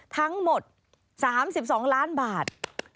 ทั้งหมด๓๒ล้านบาท